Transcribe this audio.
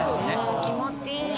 気持ちいい！